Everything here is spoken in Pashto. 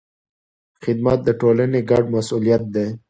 خدمت د ټولنې ګډ مسؤلیت دی.